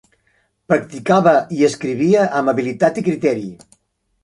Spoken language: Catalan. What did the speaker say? Practicava i escrivia amb habilitat i criteri.